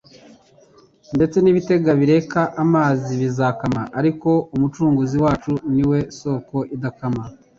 ndetse n'ibitega bireka amazi bizakama; ariko Umucunguzi wacu ni we Soko idakama.